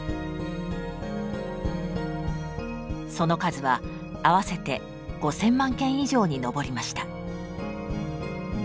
その数は合わせて５，０００万件以上に上りました。